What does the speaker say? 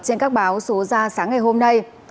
trên các báo số ra sáng ngày hôm nay